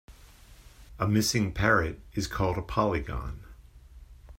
A missing parrot is called a polygon.